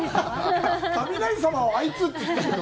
雷様をあいつって言ってるの？